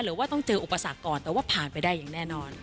หรือว่าต้องเจออุปสรรคก่อนแต่ว่าผ่านไปได้อย่างแน่นอน